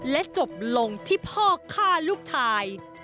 และจบลงที่พ่อฆ่าลูกชาย